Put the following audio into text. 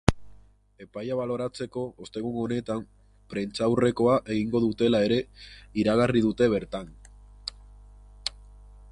Epaia baloratzeko, ostegun honetan prentsaurrekoa egingo dutela ere iragarri dute bertan.